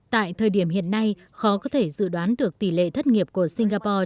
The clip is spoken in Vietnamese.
tại thời điểm hiện nay khó có thể dự đoán được tỷ lệ thất nghiệp của singapore